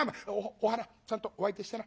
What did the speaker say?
お花ちゃんとお相手してな。